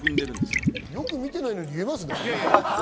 よく見てないのに言えますね。